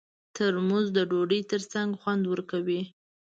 ترموز د ډوډۍ ترڅنګ خوند ورکوي.